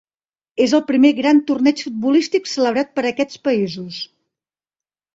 És el primer gran torneig futbolístic celebrat per aquests països.